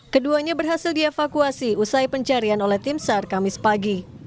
keduanya berhasil dievakuasi usai pencarian oleh tim sar kamis pagi